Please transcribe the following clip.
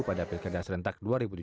pada pilkada serentak dua ribu tujuh belas